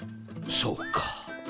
そうか。